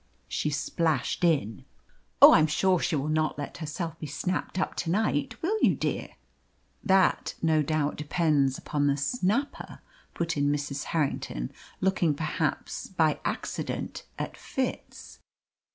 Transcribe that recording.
She splashed in. "Oh, I am sure she will not let herself be snapped up to night; will you, dear?" "That, no doubt, depends upon the snapper," put in Mrs. Harrington, looking perhaps by accident at Fitz.